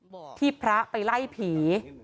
พ่อขอบพระไปไล่ผี